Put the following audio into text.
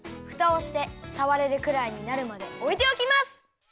ふたをしてさわれるくらいになるまでおいておきます！